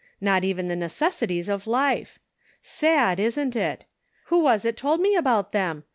Not even the necessities of life! Sad, isn't it? Who was it told me about them